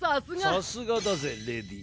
さすがだぜレディー。